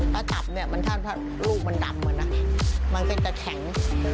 ถ้าตับถ้ารูปมันดำมันเป็นแต่แข็ง